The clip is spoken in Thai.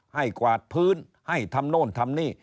กวาดพื้นให้ทำโน่นทำนี่